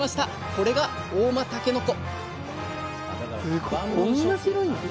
これが合馬たけのこ！